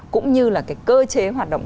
cũng như là cơ chế hoạt động